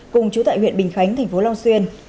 cùng chú tại huyện bình khánh thành phố long xuyên